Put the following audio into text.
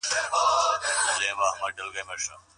تاسي تل په بریا پسې یاست.